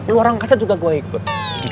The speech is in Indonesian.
keluar angkasa juga gua ikut